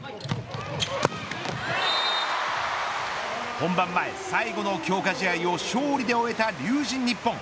本番前、最後の強化試合を勝利で終えた龍神ＮＩＰＰＯＮ。